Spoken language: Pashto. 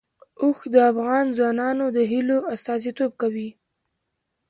اوښ د افغان ځوانانو د هیلو استازیتوب کوي.